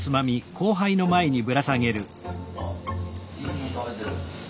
あっいいもん食べてる。